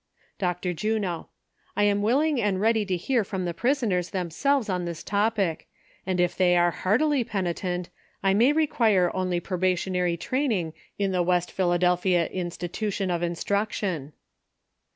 Dr. Juno. — I am willing and ready to hear from the pris oners themselves on this topic, and if they are heartily penitent, I may require only probationary training in the West Philadelphia Institution of Instruction.